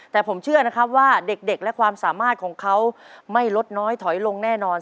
แต่ผมเชื่อนะครับว่าเด็กและความสามารถของเขาไม่ลดน้อยถอยลงแน่นอน